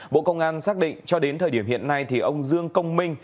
bộ công an xác định cho đến thời điểm hiện nay ông dương công minh